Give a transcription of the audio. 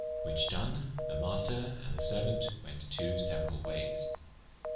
Which doen the maister and the seruaunte wente two seuerall wayes.